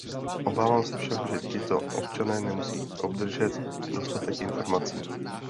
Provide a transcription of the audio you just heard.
Obávám se však, že tito občané nemusí obdržet dostatek informací.